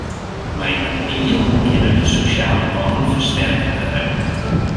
Mei in miel kinne de sosjale bannen fersterke wurde.